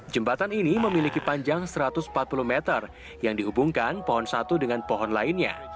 jembatan ini memiliki panjang satu ratus empat puluh meter yang dihubungkan pohon satu dengan pohon lainnya